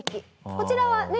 こちらはね